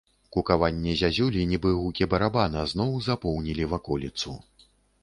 Кукаванне зязюлі, нібы гукі барабана, зноў запоўнілі ваколіцу.